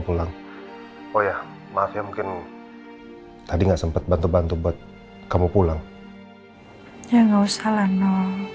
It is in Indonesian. pulang oh ya maaf ya mungkin tadi nggak sempat bantu bantu buat kamu pulang ya nggak usah lah